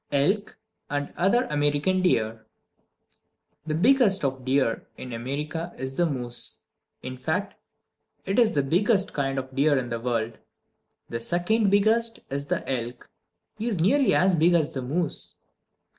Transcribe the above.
Elk and Other American Deer The biggest kind of deer in America is the moose; in fact, it is the biggest kind of deer in the world. The second biggest is the elk; he is nearly as big as the moose.